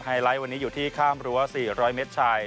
ไลท์วันนี้อยู่ที่ข้ามรั้ว๔๐๐เมตรชาย